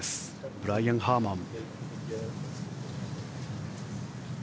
ブライアン・ハーマン。